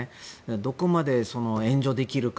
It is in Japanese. どこまで援助できるか。